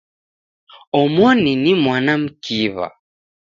Omoni ni mwana mkiw'a.